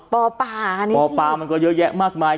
ปอปาปอปามันก็เยอะแยะมากมาย